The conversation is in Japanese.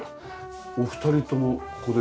お二人ともここで同時に？